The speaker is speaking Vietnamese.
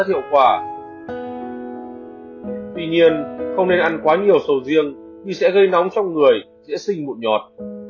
tuy nhiên không nên ăn quá nhiều sầu riêng vì sẽ gây nóng trong người sẽ sinh mụn nhọt